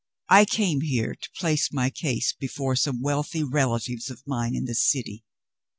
I came here to place my case before some wealthy relatives of mine in this city.